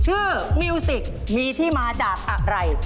มิวสิกมีที่มาจากอะไร